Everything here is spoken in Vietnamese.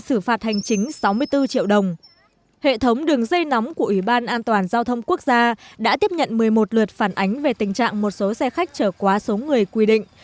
hệ thống đường dây nóng của ủy ban an toàn giao thông quốc gia đã tiếp nhận một mươi một lượt phản ánh về tình trạng một số xe khách trở quá số người quy định